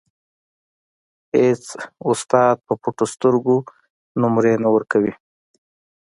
اېڅ استاد په پټو سترګو نومرې نه ورکوي.